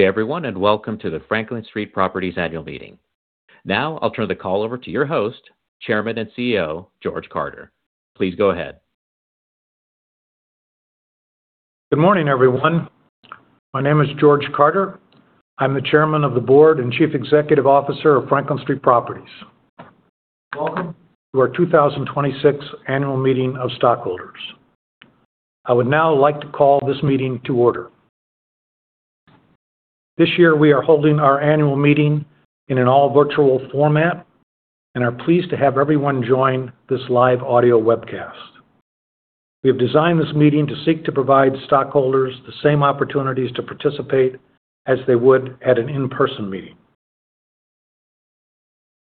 Good day everyone, welcome to the Franklin Street Properties annual meeting. Now I'll turn the call over to your host, Chairman and CEO, George Carter. Please go ahead. Good morning, everyone. My name is George Carter. I am the Chairman of the Board and Chief Executive Officer of Franklin Street Properties. Welcome to our 2026 annual meeting of stockholders. I would now like to call this meeting to order. This year, we are holding our annual meeting in an all virtual format and are pleased to have everyone join this live audio webcast. We have designed this meeting to seek to provide stockholders the same opportunities to participate as they would at an in-person meeting.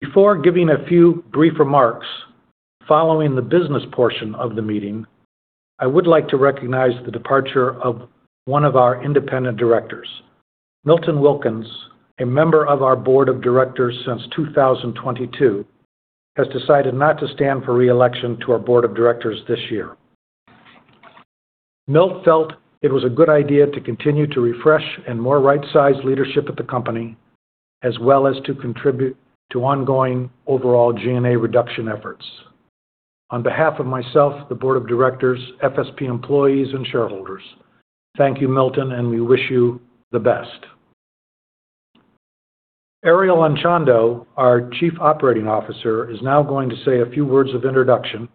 Before giving a few brief remarks following the business portion of the meeting, I would like to recognize the departure of one of our independent directors. Milton Wilkins, a member of our board of directors since 2022, has decided not to stand for re-election to our board of directors this year. Milt felt it was a good idea to continue to refresh and more right-size leadership at the company, as well as to contribute to ongoing overall G&A reduction efforts. On behalf of myself, the board of directors, FSP employees and shareholders, thank you, Milton, and we wish you the best. Eriel Anchondo, our Chief Operating Officer, is now going to say a few words of introduction.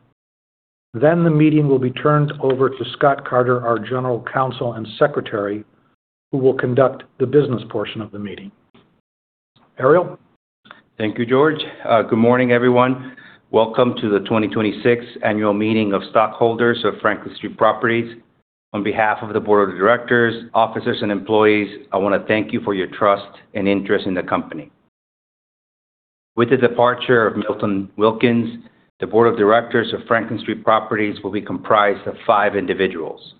The meeting will be turned over to Scott Carter, our General Counsel and Secretary, who will conduct the business portion of the meeting. Eriel? Thank you, George. Good morning, everyone. Welcome to the 2026 annual meeting of stockholders of Franklin Street Properties. On behalf of the board of directors, officers and employees, I want to thank you for your trust and interest in the company. With the departure of Milton Wilkins, the board of directors of Franklin Street Properties will be comprised of five individuals,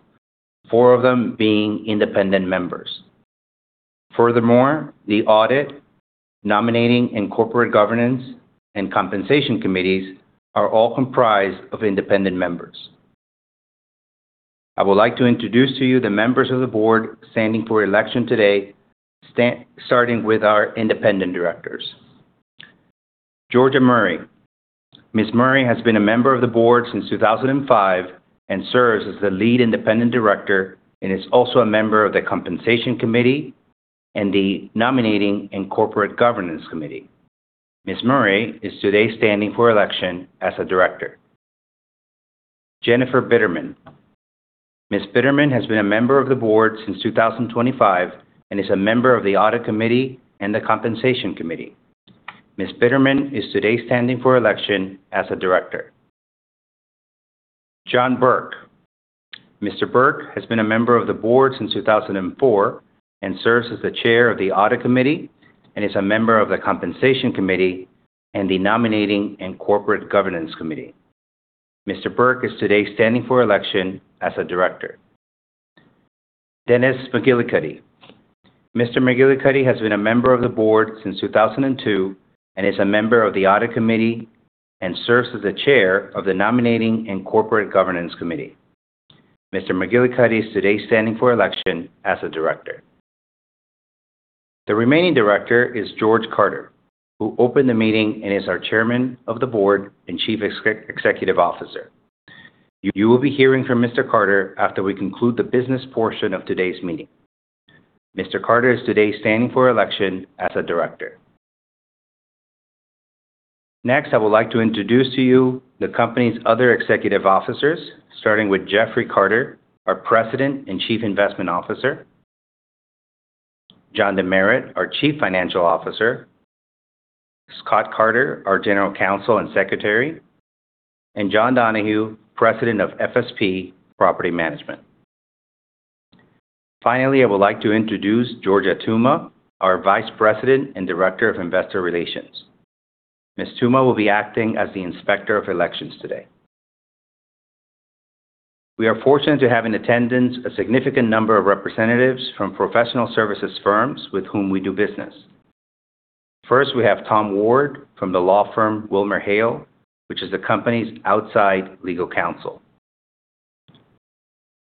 four of them being independent members. Furthermore, the Audit, Nominating and Corporate Governance, and Compensation Committees are all comprised of independent members. I would like to introduce to you the members of the board standing for election today, starting with our independent directors. Georgia Murray. Ms. Murray has been a member of the board since 2005 and serves as the Lead Independent Director and is also a member of the Compensation Committee and the Nominating and Corporate Governance Committee. Ms. Murray is today standing for election as a director. Jennifer Bitterman. Ms. Bitterman has been a member of the board since 2025 and is a member of the Audit Committee and the Compensation Committee. Ms. Bitterman is today standing for election as a director. John Burke. Mr. Burke has been a member of the board since 2004 and serves as the Chair of the Audit Committee and is a member of the Compensation Committee and the Nominating and Corporate Governance Committee. Mr. Burke is today standing for election as a director. Dennis McGillicuddy. Mr. McGillicuddy has been a member of the board since 2002 and is a member of the Audit Committee and serves as the Chair of the Nominating and Corporate Governance Committee. Mr. McGillicuddy is today standing for election as a director. The remaining Director is George Carter, who opened the meeting and is our Chairman of the Board and Chief Executive Officer. You will be hearing from Mr. Carter after we conclude the business portion of today's meeting. Mr. Carter is today standing for election as a director. Next, I would like to introduce to you the company's other executive officers, starting with Jeffrey Carter, our President and Chief Investment Officer. John DeMeritt, our Chief Financial Officer. Scott Carter, our General Counsel and Secretary, and John Donahue, President of FSP Property Management. Finally, I would like to introduce Georgia Touma, our Vice President and Director of Investor Relations. Ms. Touma will be acting as the Inspector of Elections today. We are fortunate to have in attendance a significant number of representatives from professional services firms with whom we do business. First, we have Thomas S. Ward from the law firm WilmerHale, which is the company's outside legal counsel.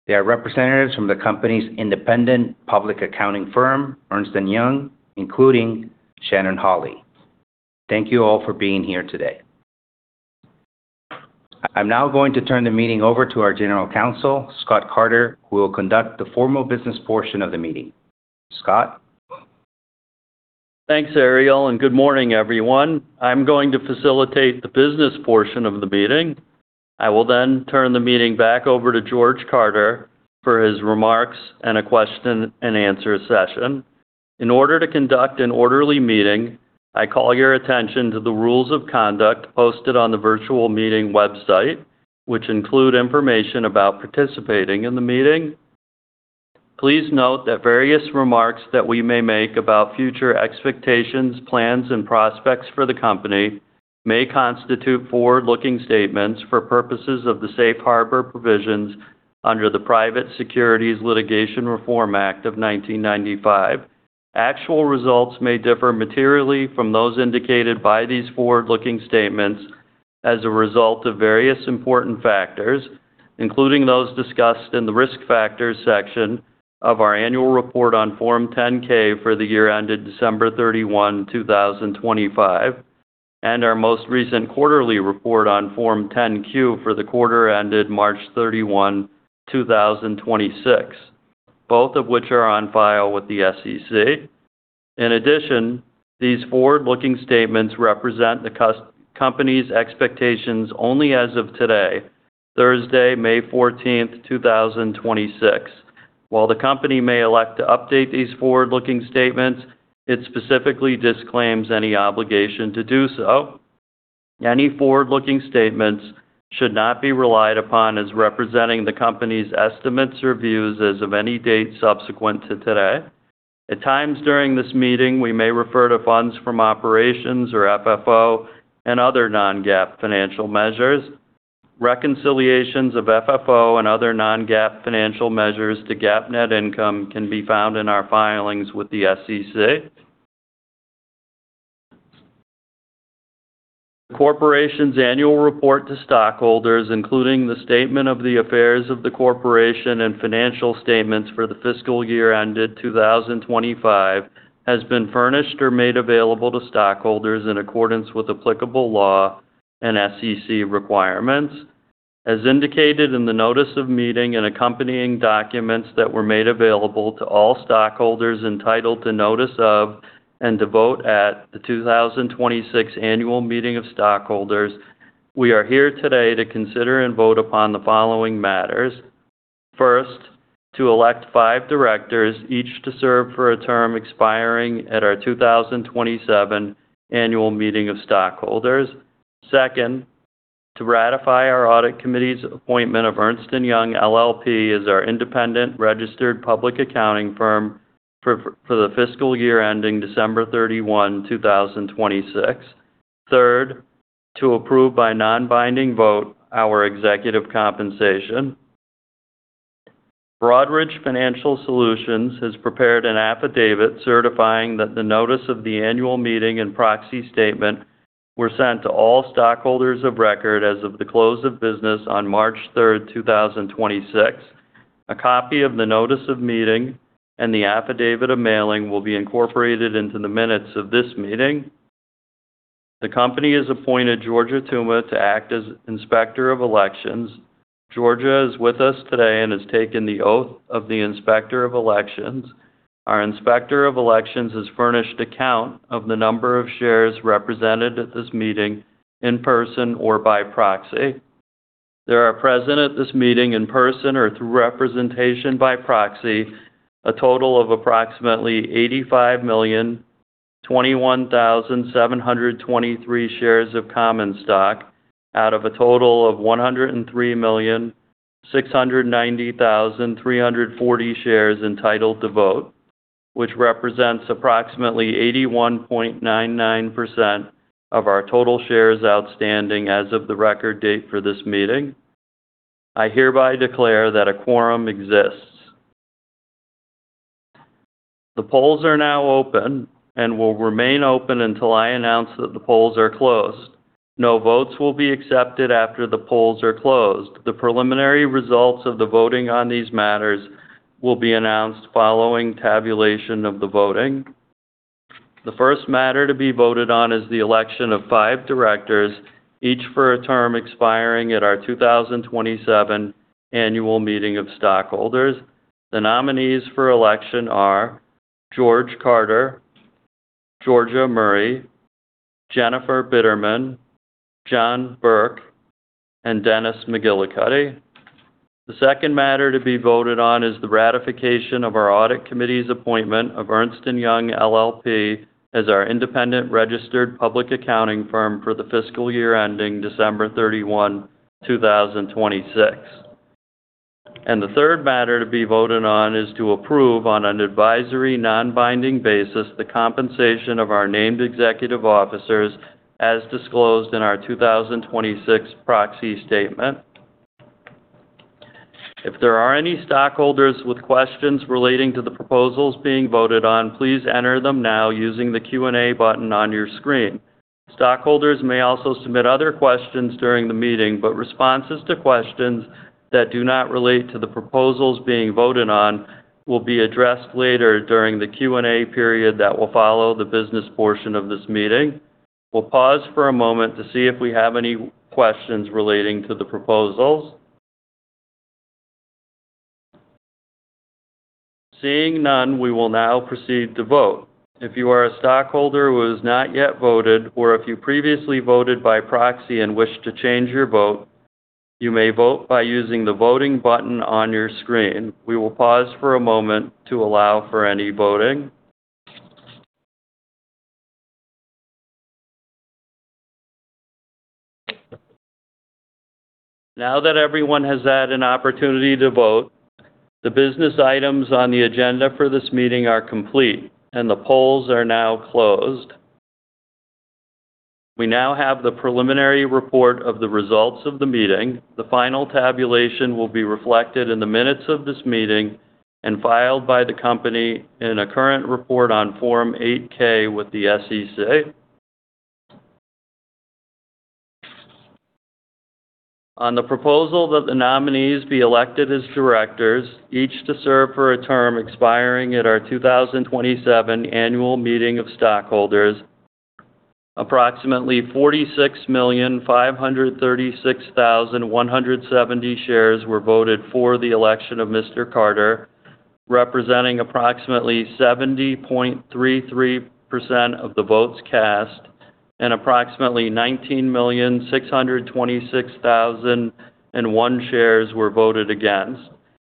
There are representatives from the company's independent public accounting firm, Ernst & Young, including Shannon Hawley. Thank you all for being here today. I'm now going to turn the meeting over to our General Counsel, Scott H. Carter, who will conduct the formal business portion of the meeting. Scott? Thanks, Eriel, good morning, everyone. I'm going to facilitate the business portion of the meeting. I will turn the meeting back over to George Carter for his remarks and a question-and-answer session. In order to conduct an orderly meeting, I call your attention to the rules of conduct posted on the virtual meeting website, which include information about participating in the meeting. Please note that various remarks that we may make about future expectations, plans, and prospects for the company may constitute forward-looking statements for purposes of the safe harbor provisions under the Private Securities Litigation Reform Act of 1995. Actual results may differ materially from those indicated by these forward-looking statements. As a result of various important factors, including those discussed in the Risk Factors section of our annual report on Form 10-K for the year ended December 31, 2025, and our most recent quarterly report on Form 10-Q for the quarter ended March 31, 2026, both of which are on file with the SEC. In addition, these forward-looking statements represent the company's expectations only as of today, Thursday, May 14, 2026. While the company may elect to update these forward-looking statements, it specifically disclaims any obligation to do so. Any forward-looking statements should not be relied upon as representing the company's estimates or views as of any date subsequent to today. At times during this meeting, we may refer to funds from operations, or FFO, and other non-GAAP financial measures. Reconciliations of FFO and other non-GAAP financial measures to GAAP net income can be found in our filings with the SEC. The corporation's annual report to stockholders, including the statement of the affairs of the corporation and financial statements for the fiscal year ended 2025, has been furnished or made available to stockholders in accordance with applicable law and SEC requirements. As indicated in the notice of meeting and accompanying documents that were made available to all stockholders entitled to notice of and to vote at the 2026 annual meeting of stockholders, we are here today to consider and vote upon the following matters. First, to elect five directors, each to serve for a term expiring at our 2027 annual meeting of stockholders. Second, to ratify our audit committee's appointment of Ernst & Young LLP as our independent registered public accounting firm for the fiscal year ending December 31, 2026. Third, to approve by non-binding vote our executive compensation. Broadridge Financial Solutions has prepared an affidavit certifying that the notice of the annual meeting and proxy statement were sent to all stockholders of record as of the close of business on March 3, 2026. A copy of the notice of meeting and the affidavit of mailing will be incorporated into the minutes of this meeting. The company has appointed Georgia Touma to act as Inspector of Elections. Georgia is with us today and has taken the oath of the Inspector of Elections. Our Inspector of Elections has furnished a count of the number of shares represented at this meeting in person or by proxy. There are present at this meeting in person or through representation by proxy a total of approximately 85,021,723 shares of common stock out of a total of 103,690,340 shares entitled to vote, which represents approximately 81.99% of our total shares outstanding as of the record date for this meeting. I hereby declare that a quorum exists. The polls are now open and will remain open until I announce that the polls are closed. No votes will be accepted after the polls are closed. The preliminary results of the voting on these matters will be announced following tabulation of the voting. The first matter to be voted on is the election of five directors, each for a term expiring at our 2027 annual meeting of stockholders. The nominees for election are George Carter, Georgia Murray, Jennifer Bitterman, John Burke, and Dennis J. McGillicuddy. The second matter to be voted on is the ratification of our audit committee's appointment of Ernst & Young LLP as our independent registered public accounting firm for the fiscal year ending December 31, 2026. The third matter to be voted on is to approve on an advisory non-binding basis the compensation of our named executive officers as disclosed in our 2026 proxy statement. If there are any stockholders with questions relating to the proposals being voted on, please enter them now using the Q&A button on your screen. Stockholders may also submit other questions during the meeting, but responses to questions that do not relate to the proposals being voted on will be addressed later during the Q&A period that will follow the business portion of this meeting. We'll pause for a moment to see if we have any questions relating to the proposals. Seeing none, we will now proceed to vote. If you are a stockholder who has not yet voted, or if you previously voted by proxy and wish to change your vote, you may vote by using the voting button on your screen. We will pause for a moment to allow for any voting. Now that everyone has had an opportunity to vote, the business items on the agenda for this meeting are complete, and the polls are now closed. We now have the preliminary report of the results of the meeting. The final tabulation will be reflected in the minutes of this meeting. Filed by the company in a current report on Form 8-K with the SEC. On the proposal that the nominees be elected as directors, each to serve for a term expiring at our 2027 annual meeting of stockholders. Approximately 46,536,170 shares were voted for the election of Mr. Carter, representing approximately 70.33% of the votes cast. Approximately 19,626,001 shares were voted against.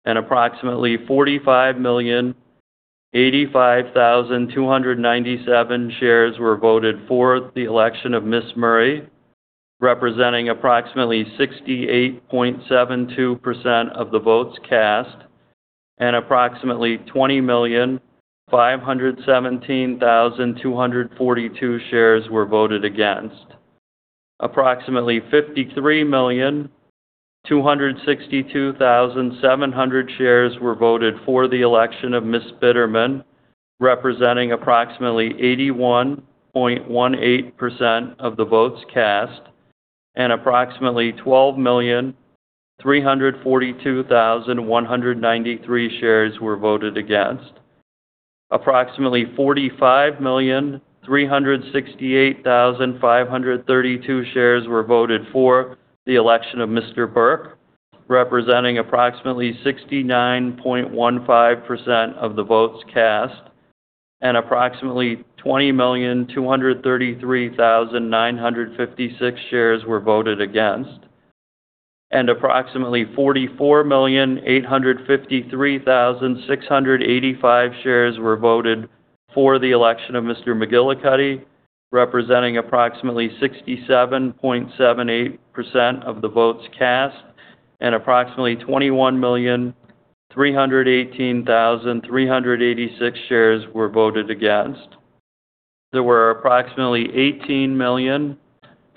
Approximately 45,085,297 shares were voted for the election of Ms. Murray, representing approximately 68.72% of the votes cast. Approximately 20,517,242 shares were voted against. Approximately 53,262,700 shares were voted for the election of Ms. Bitterman, representing approximately 81.18% of the votes cast, and approximately 12,342,193 shares were voted against. Approximately 45,368,532 shares were voted for the election of Mr. Burke, representing approximately 69.15% of the votes cast, and approximately 20,233,956 shares were voted against. Approximately 44,853,685 shares were voted for the election of Mr. McGillicuddy, representing approximately 67.78% of the votes cast, and approximately 21,318,386 shares were voted against. There were approximately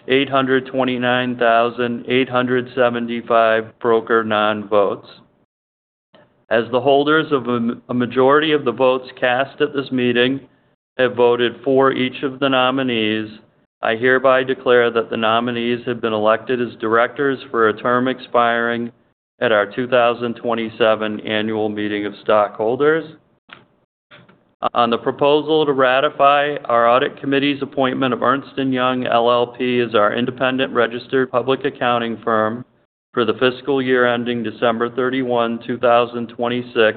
18,829,875 broker non-votes. As the holders of a majority of the votes cast at this meeting have voted for each of the nominees, I hereby declare that the nominees have been elected as directors for a term expiring at our 2027 annual meeting of stockholders. On the proposal to ratify our audit committee's appointment of Ernst & Young LLP as our independent registered public accounting firm for the fiscal year ending December 31, 2026,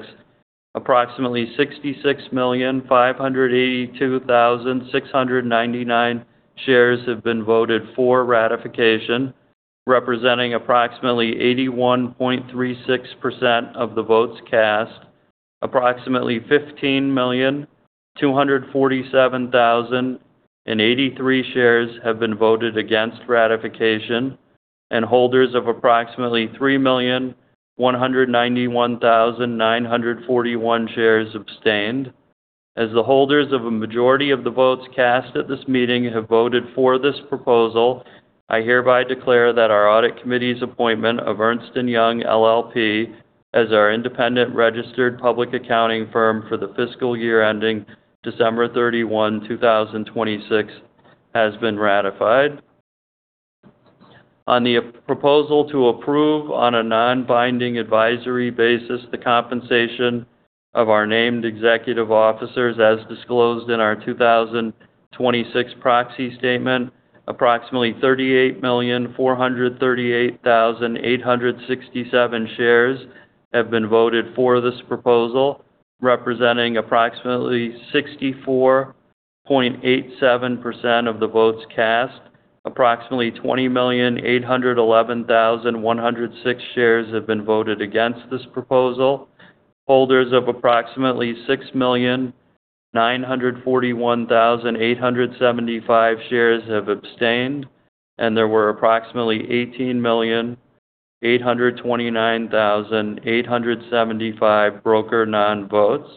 approximately 66,582,699 shares have been voted for ratification, representing approximately 81.36% of the votes cast. Approximately 15,247,083 shares have been voted against ratification, and holders of approximately 3,191,941 shares abstained. As the holders of a majority of the votes cast at this meeting have voted for this proposal, I hereby declare that our audit committee's appointment of Ernst & Young LLP as our independent registered public accounting firm for the fiscal year ending December 31, 2026, has been ratified. On the proposal to approve on a non-binding advisory basis the compensation of our named executive officers as disclosed in our 2026 proxy statement, approximately 38,438,867 shares have been voted for this proposal, representing approximately 64.87% of the votes cast. Approximately 20,811,106 shares have been voted against this proposal. Holders of approximately 6,941,875 shares have abstained, and there were approximately 18,829,875 broker non-votes.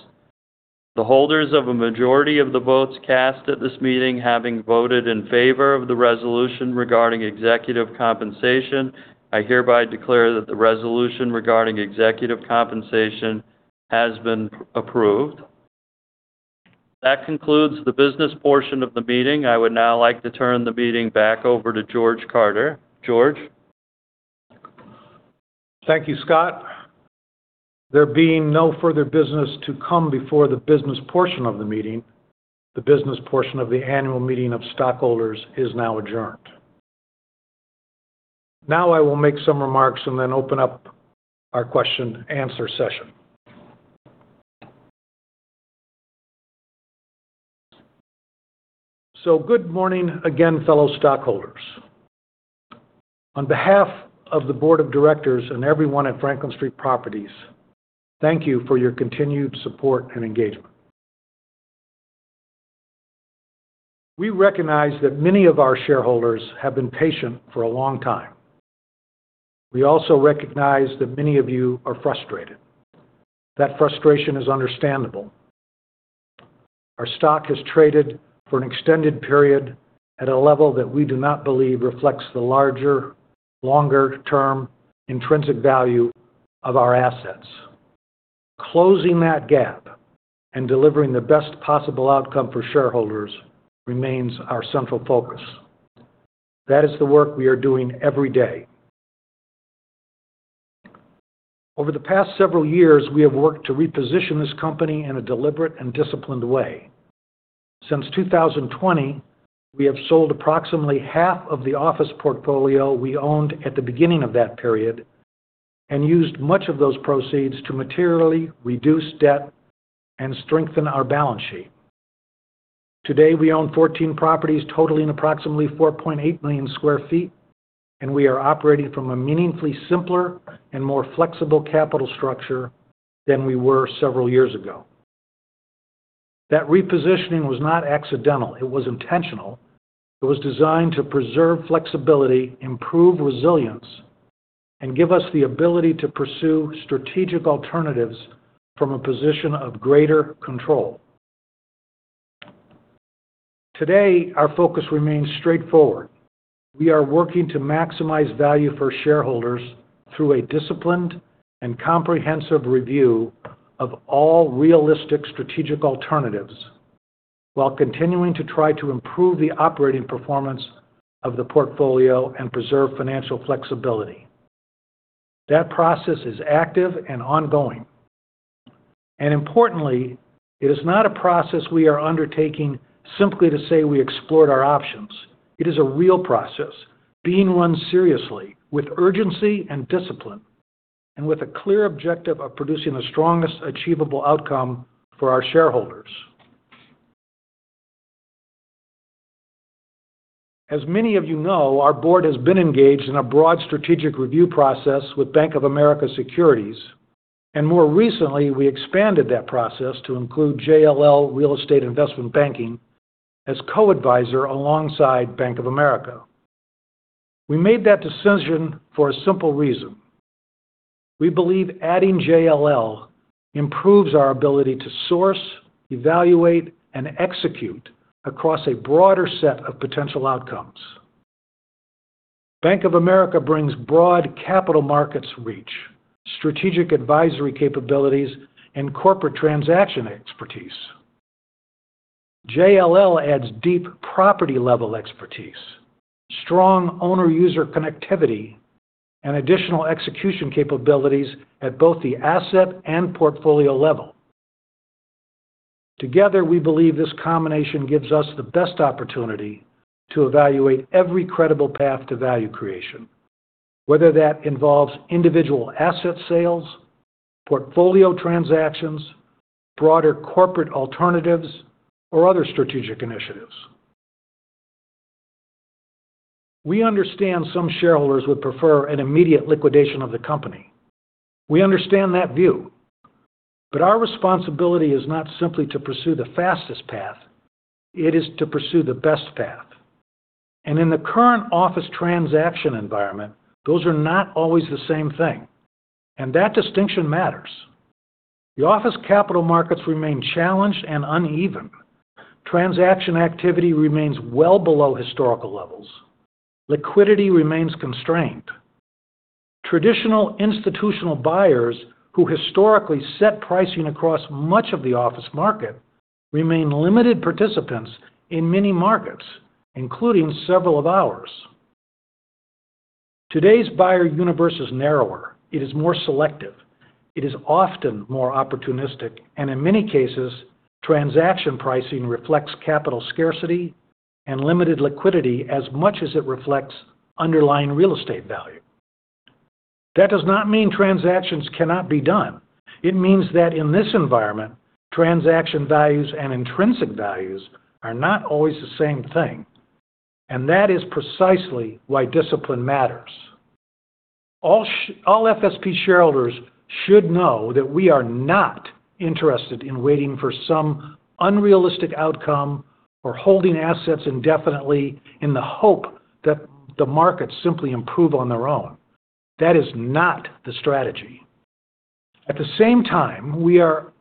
The holders of a majority of the votes cast at this meeting, having voted in favor of the resolution regarding executive compensation, I hereby declare that the resolution regarding executive compensation has been approved. That concludes the business portion of the meeting. I would now like to turn the meeting back over to George Carter. George? Thank you, Scott. There being no further business to come before the business portion of the meeting, the business portion of the annual meeting of stockholders is now adjourned. I will make some remarks and then open up our question and answer session. Good morning again, fellow stockholders. On behalf of the board of directors and everyone at Franklin Street Properties, thank you for your continued support and engagement. We recognize that many of our shareholders have been patient for a long time. We also recognize that many of you are frustrated. That frustration is understandable. Our stock has traded for an extended period at a level that we do not believe reflects the larger, longer term intrinsic value of our assets. Closing that gap and delivering the best possible outcome for shareholders remains our central focus. That is the work we are doing every day. Over the past several years, we have worked to reposition this company in a deliberate and disciplined way. Since 2020, we have sold approximately half of the office portfolio we owned at the beginning of that period and used much of those proceeds to materially reduce debt and strengthen our balance sheet. Today, we own 14 properties totaling approximately 4.8 million square feet, and we are operating from a meaningfully simpler and more flexible capital structure than we were several years ago. That repositioning was not accidental. It was intentional. It was designed to preserve flexibility, improve resilience, and give us the ability to pursue strategic alternatives from a position of greater control. Today, our focus remains straightforward. We are working to maximize value for shareholders through a disciplined and comprehensive review of all realistic strategic alternatives while continuing to try to improve the operating performance of the portfolio and preserve financial flexibility. That process is active and ongoing. Importantly, it is not a process we are undertaking simply to say we explored our options. It is a real process being run seriously with urgency and discipline and with a clear objective of producing the strongest achievable outcome for our shareholders. As many of you know, our board has been engaged in a broad strategic review process with Bank of America Securities, and more recently, we expanded that process to include JLL Real Estate Investment Banking as co-advisor alongside Bank of America. We made that decision for a simple reason. We believe adding JLL improves our ability to source, evaluate, and execute across a broader set of potential outcomes. Bank of America brings broad capital markets reach, strategic advisory capabilities, and corporate transaction expertise. JLL adds deep property level expertise, strong owner user connectivity, and additional execution capabilities at both the asset and portfolio level. Together, we believe this combination gives us the best opportunity to evaluate every credible path to value creation, whether that involves individual asset sales, portfolio transactions, broader corporate alternatives, or other strategic initiatives. We understand some shareholders would prefer an immediate liquidation of the company. We understand that view. Our responsibility is not simply to pursue the fastest path, it is to pursue the best path. In the current office transaction environment, those are not always the same thing, and that distinction matters. The office capital markets remain challenged and uneven. Transaction activity remains well below historical levels. Liquidity remains constrained. Traditional institutional buyers who historically set pricing across much of the office market remain limited participants in many markets, including several of ours. Today's buyer universe is narrower, it is more selective, it is often more opportunistic, and in many cases, transaction pricing reflects capital scarcity and limited liquidity as much as it reflects underlying real estate value. That does not mean transactions cannot be done. It means that in this environment, transaction values and intrinsic values are not always the same thing, and that is precisely why discipline matters. All FSP shareholders should know that we are not interested in waiting for some unrealistic outcome or holding assets indefinitely in the hope that the markets simply improve on their own. That is not the strategy. At the same time, we are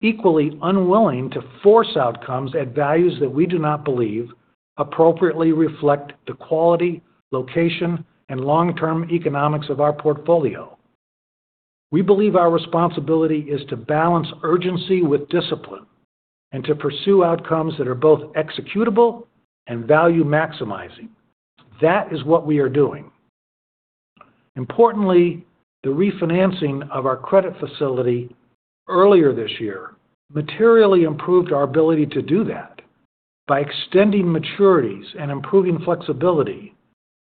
equally unwilling to force outcomes at values that we do not believe appropriately reflect the quality, location, and long-term economics of our portfolio. We believe our responsibility is to balance urgency with discipline and to pursue outcomes that are both executable and value-maximizing. That is what we are doing. Importantly, the refinancing of our credit facility earlier this year materially improved our ability to do that. By extending maturities and improving flexibility,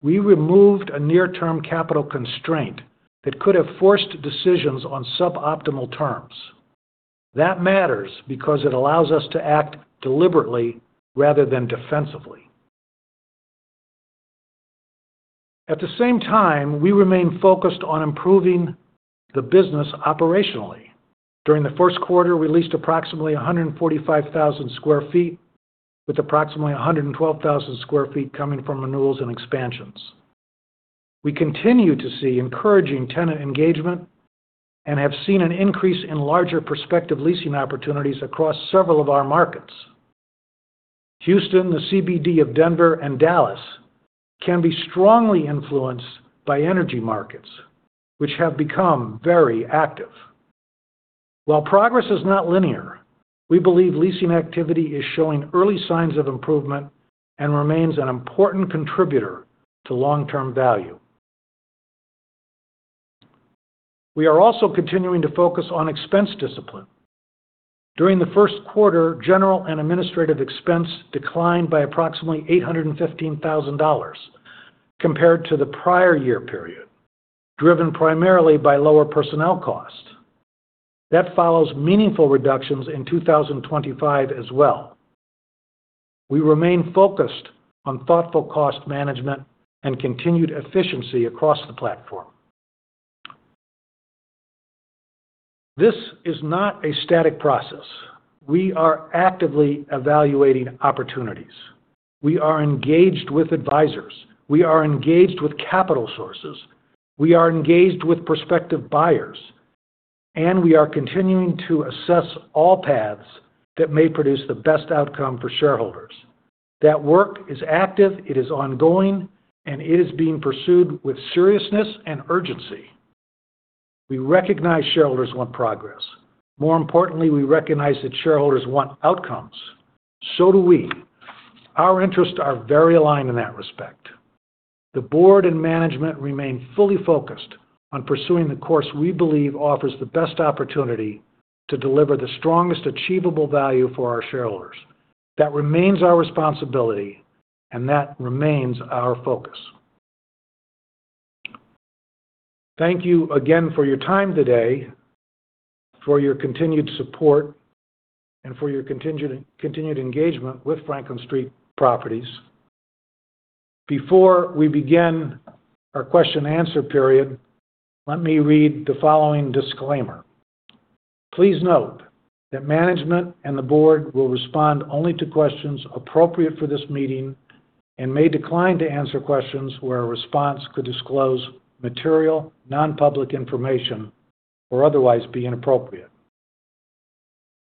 we removed a near-term capital constraint that could have forced decisions on suboptimal terms. That matters because it allows us to act deliberately rather than defensively. At the same time, we remain focused on improving the business operationally. During the first quarter, we leased approximately 145,000 sq ft with approximately 112,000 sq ft coming from renewals and expansions. We continue to see encouraging tenant engagement and have seen an increase in larger prospective leasing opportunities across several of our markets. Houston, the CBD of Denver and Dallas can be strongly influenced by energy markets, which have become very active. Progress is not linear, we believe leasing activity is showing early signs of improvement and remains an important contributor to long-term value. We are also continuing to focus on expense discipline. During the first quarter, general and administrative expense declined by approximately $815,000 compared to the prior year period, driven primarily by lower personnel costs. That follows meaningful reductions in 2025 as well. We remain focused on thoughtful cost management and continued efficiency across the platform. This is not a static process. We are actively evaluating opportunities. We are engaged with advisors. We are engaged with capital sources. We are engaged with prospective buyers. We are continuing to assess all paths that may produce the best outcome for shareholders. That work is active, it is ongoing, and it is being pursued with seriousness and urgency. We recognize shareholders want progress. More importantly, we recognize that shareholders want outcomes. Do we. Our interests are very aligned in that respect. The board and management remain fully focused on pursuing the course we believe offers the best opportunity to deliver the strongest achievable value for our shareholders. That remains our responsibility, and that remains our focus. Thank you again for your time today, for your continued support, and for your continued engagement with Franklin Street Properties. Before we begin our question and answer period, let me read the following disclaimer. Please note that management and the board will respond only to questions appropriate for this meeting and may decline to answer questions where a response could disclose material, nonpublic information or otherwise be inappropriate.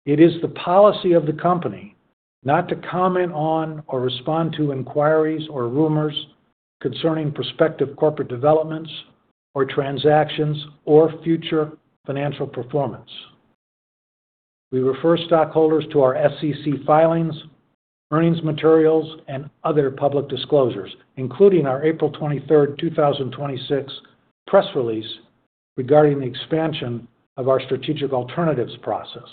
It is the policy of the company not to comment on or respond to inquiries or rumors concerning prospective corporate developments or transactions or future financial performance. We refer stockholders to our SEC filings, earnings materials, and other public disclosures, including our April 23rd, 2026 press release regarding the expansion of our strategic alternatives process.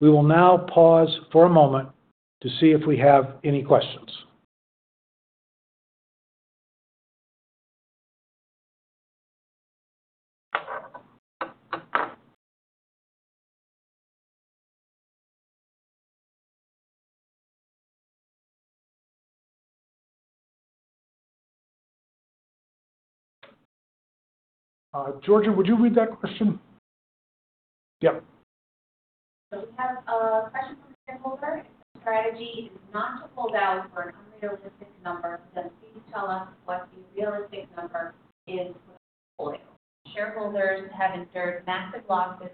We will now pause for a moment to see if we have any questions. Georgia, would you read that question? Yep. We have a question from a shareholder. If your strategy is not to pull value for an unrealistic number, then please tell us what the realistic number is for this portfolio. Shareholders have endured massive losses.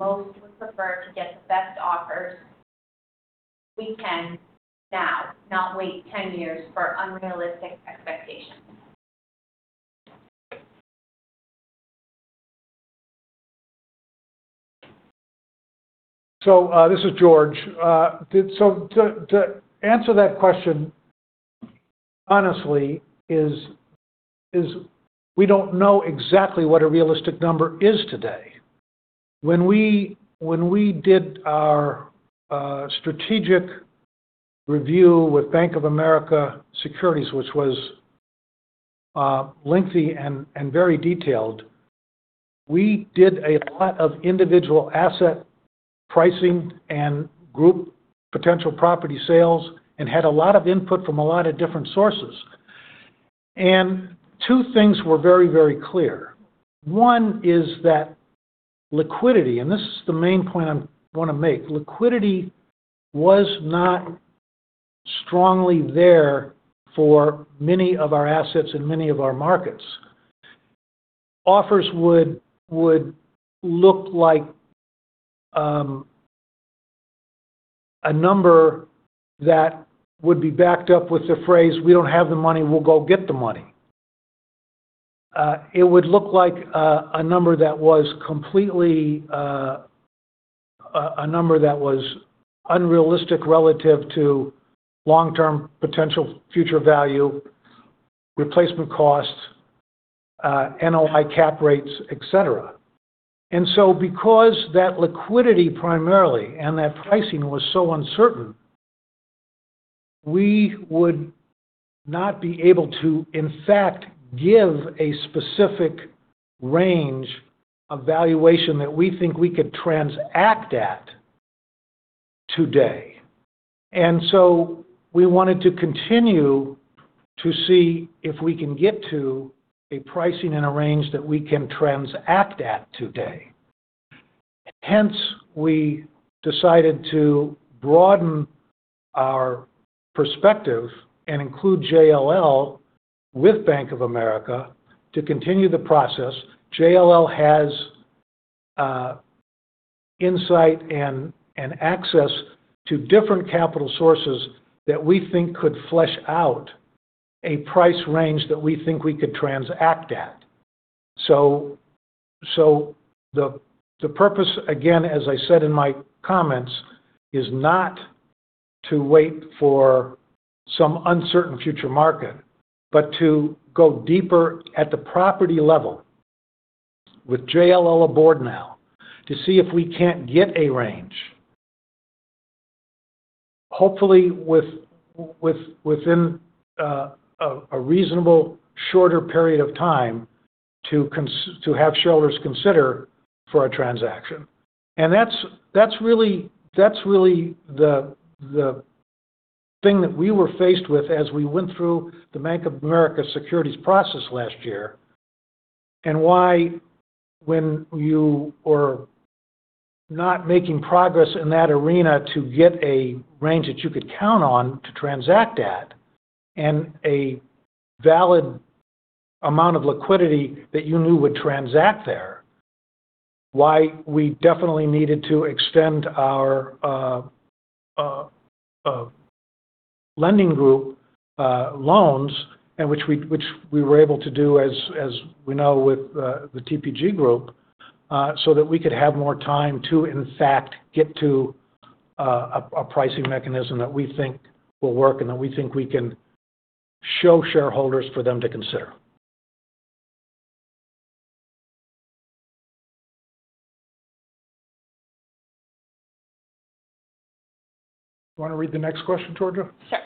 Most would prefer to get the best offers we can now, not wait 10 years for unrealistic expectations. This is George. To answer that question honestly is we don't know exactly what a realistic number is today. When we did our strategic review with Bank of America Securities, which was lengthy and very detailed, we did a lot of individual asset pricing and group potential property sales and had a lot of input from a lot of different sources. Two things were very clear. One is that liquidity, and this is the main point I'm gonna make. Liquidity was not strongly there for many of our assets in many of our markets. Offers would look like a number that would be backed up with the phrase, We don't have the money. We'll go get the money. It would look like a number that was completely a number that was unrealistic relative to long-term potential future value, replacement costs, NOI cap rates, et cetera. Because that liquidity primarily and that pricing was so uncertain, we would not be able to, in fact, give a specific range of valuation that we think we could transact at today. We wanted to continue to see if we can get to a pricing and a range that we can transact at today. Hence, we decided to broaden our perspective and include JLL with Bank of America to continue the process. JLL has insight and access to different capital sources that we think could flesh out a price range that we think we could transact at. So the purpose, again, as I said in my comments, is not to wait for some uncertain future market, but to go deeper at the property level with JLL aboard now to see if we can't get a range. Hopefully with, within, a reasonable shorter period of time to have shareholders consider for a transaction. That's really the thing that we were faced with as we went through the Bank of America securities process last year. Why when you were not making progress in that arena to get a range that you could count on to transact at, and a valid amount of liquidity that you knew would transact there, why we definitely needed to extend our lending group loans, which we were able to do as we know with the TPG group, so that we could have more time to in fact get to a pricing mechanism that we think will work and that we think we can show shareholders for them to consider. Wanna read the next question, Georgia? Sure.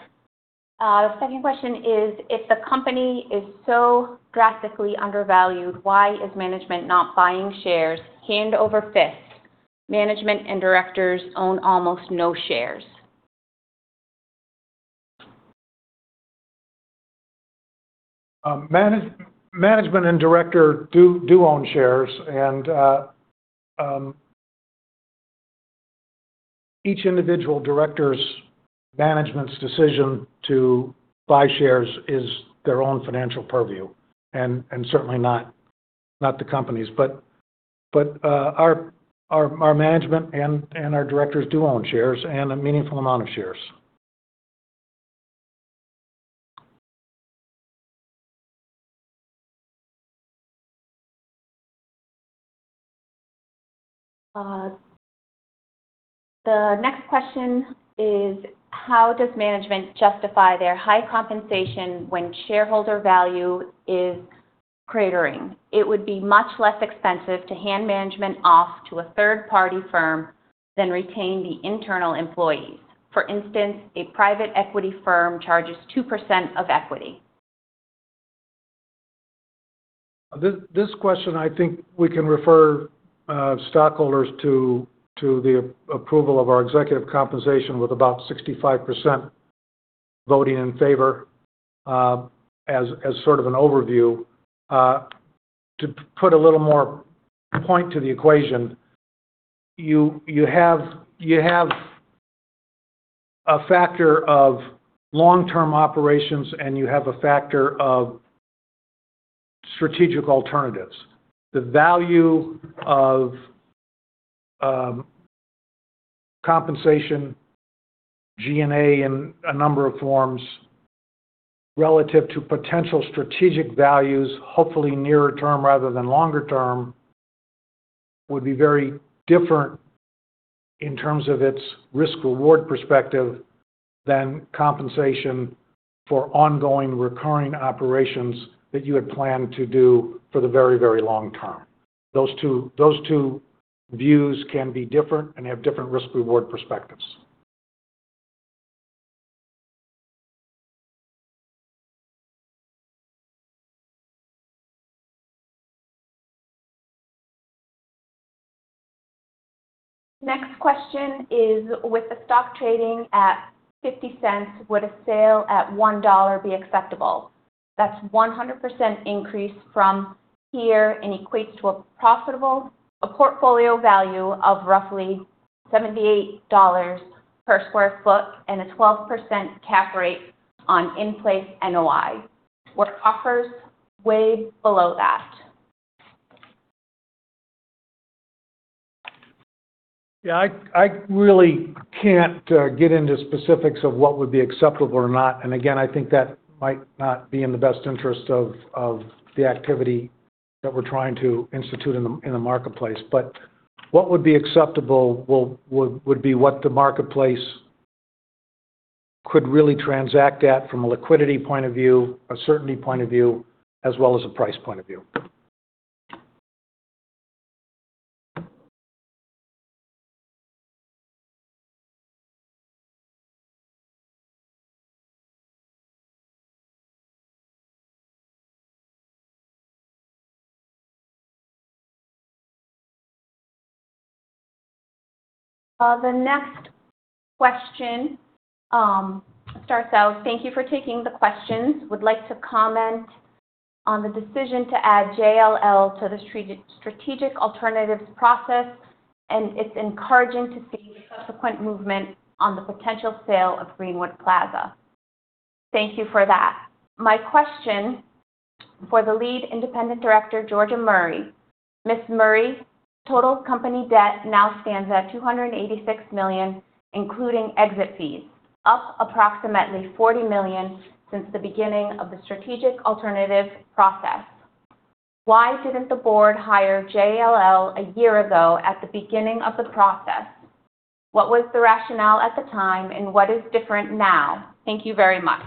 second question is, if the company is so drastically undervalued, why is management not buying shares hand over fist? Management and directors own almost no shares. Management and director do own shares and each individual director's management's decision to buy shares is their own financial purview, and certainly not the company's. Our management and our directors do own shares, and a meaningful amount of shares. The next question is, how does management justify their high compensation when shareholder value is cratering? It would be much less expensive to hand management off to a third-party firm than retain the internal employees. For instance, a private equity firm charges 2% of equity. This question I think we can refer stockholders to the approval of our executive compensation with about 65% voting in favor, as sort of an overview. To put a little more point to the equation, you have a factor of long-term operations and you have a factor of strategic alternatives. The value of compensation G&A in a number of forms relative to potential strategic values, hopefully nearer term rather than longer term, would be very different in terms of its risk-reward perspective than compensation for ongoing recurring operations that you had planned to do for the very long term. Those two views can be different and have different risk-reward perspectives. Next question is, with the stock trading at $0.50, would a sale at $1 be acceptable? That's 100% increase from here and equates to a profitable portfolio value of roughly $78 per sq ft and a 12% cap rate on in-place NOI. Were offers way below that? Yeah. I really can't get into specifics of what would be acceptable or not. Again, I think that might not be in the best interest of the activity that we're trying to institute in the, in the marketplace. What would be acceptable would be what the marketplace could really transact at from a liquidity point of view, a certainty point of view, as well as a price point of view. The next question starts out: Thank you for taking the questions. Would like to comment on the decision to add JLL to the strategic alternatives process, and it's encouraging to see the subsequent movement on the potential sale of Greenwood Plaza. Thank you for that. My question for the Lead Independent Director, Georgia Murray. Ms. Murray, total company debt now stands at $286 million, including exit fees, up approximately $40 million since the beginning of the strategic alternative process. Why didn't the board hire JLL a year ago at the beginning of the process? What was the rationale at the time, and what is different now? Thank you very much.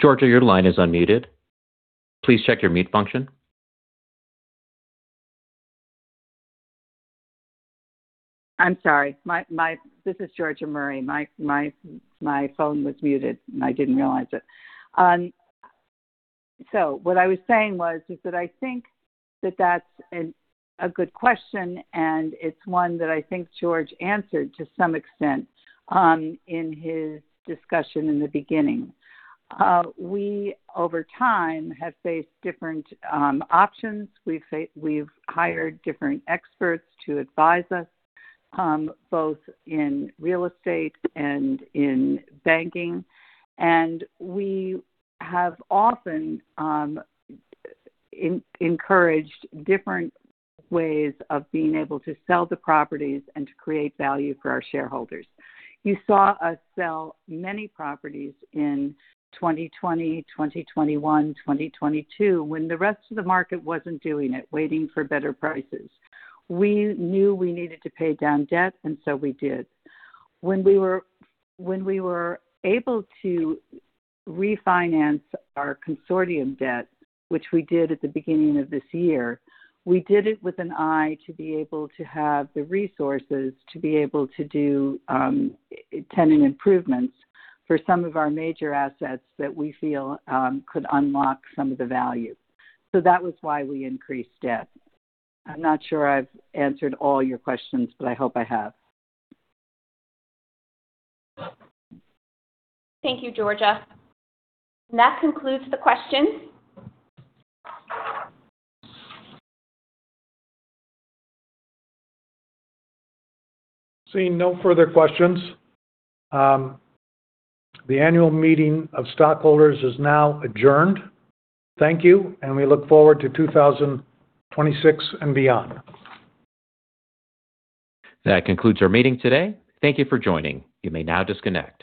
Georgia, your line is unmuted. Please check your mute function. I'm sorry. This is Georgia Murray. My phone was muted, and I didn't realize it. What I was saying was, is that I think that that's a good question, and it's one that I think George answered to some extent in his discussion in the beginning. We over time have faced different options. We've hired different experts to advise us both in real estate and in banking. We have often encouraged different ways of being able to sell the properties and to create value for our shareholders. You saw us sell many properties in 2020, 2021, 2022, when the rest of the market wasn't doing it, waiting for better prices. We knew we needed to pay down debt, and so we did. When we were able to refinance our consortium debt, which we did at the beginning of this year, we did it with an eye to be able to have the resources to be able to do ten improvements for some of our major assets that we feel could unlock some of the value. That was why we increased debt. I'm not sure I've answered all your questions, but I hope I have. Thank you, Georgia. That concludes the questions. Seeing no further questions, the annual meeting of stockholders is now adjourned. Thank you, and we look forward to 2026 and beyond. That concludes our meeting today. Thank you for joining. You may now disconnect.